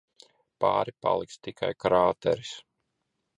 Pāri paliks tikai krāteris.